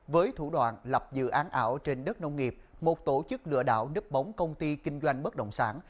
với thủ đoạn lập dự án ảo trên đất nông nghiệp một tổ chức lửa đảo nấp bóng công ty kinh doanh bất động sản